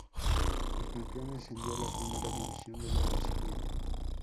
El campeón ascendió a la Primera División del año siguiente.